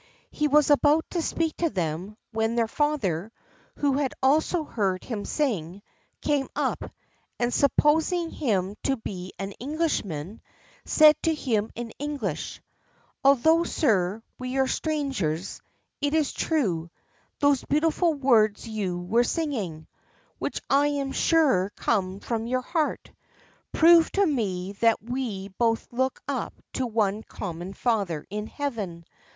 He was about to speak to them, when their father, who had also heard him singing, came up, and supposing him to be an Englishman, said to him in English, "Although, sir, we are strangers, it is true, those beautiful words you were singing, which I am sure come from your heart, prove to me that we both look up to one common Father in heaven.